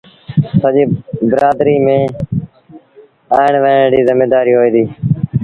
سڄيٚ برآدريٚ ميݩ اُيٚڻ ويهڻ ريٚ زميدآريٚ ڏنيٚ وهي ديٚ